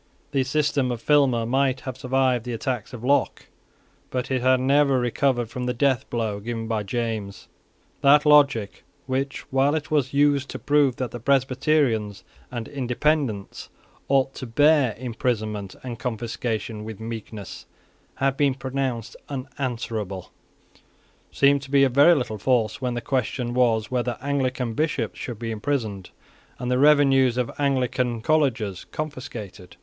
The system of Filmer might have survived the attacks of Locke: but it never recovered from the death blow given by James. That logic, which, while it was used to prove that Presbyterians and Independents ought to bear imprisonment and confiscation with meekness, had been pronounced unanswerable, seemed to be of very little force when the question was whether Anglican Bishops should be imprisoned, and the revenues of Anglican colleges confiscated.